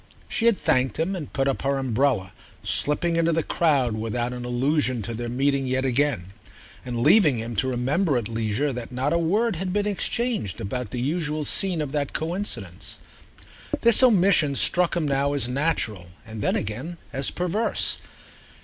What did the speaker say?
She had thanked him and put up her umbrella, slipping into the crowd without an allusion to their meeting yet again and leaving him to remember at leisure that not a word had been exchanged about the usual scene of that coincidence. This omission struck him now as natural and then again as perverse.